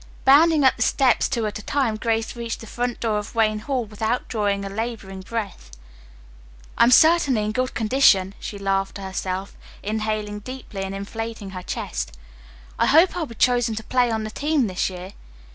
Bounding up the steps two at a time, Grace reached the front door of Wayne Hall without drawing a laboring breath. "I'm certainly in good condition," she laughed to herself, inhaling deeply and inflating her chest. "I hope I'll be chosen to play on the team this year."